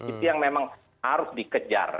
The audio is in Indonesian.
itu yang memang harus dikejar